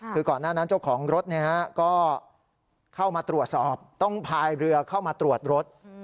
คือก่อนหน้านั้นเจ้าของรถก็เข้ามาตรวจสอบต้องพายเรือเข้ามาตรวจรถ